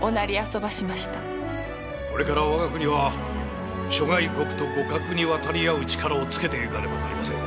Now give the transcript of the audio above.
これから我が国は諸外国と互角に渡り合う力をつけていかねばなりません。